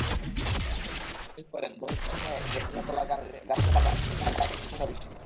বাবা খেয়াল করলেন, ঘরের পেছনে যেখানে কলাগাছের বাগান সেখানে কাকের সংখ্যা বেশি।